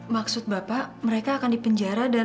maksud bapak mereka akan dipenjara dan